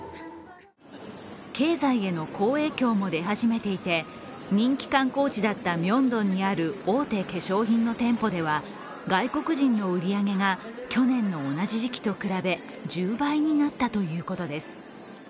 経済への好影響も出始めていて、人気観光地だったミョンドンにある大手化粧品の店舗では外国人の売り上げが去年の同じ時期と比べ１０倍になったということです。